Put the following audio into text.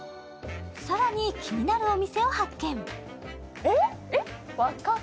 更に、気になるお店を発見。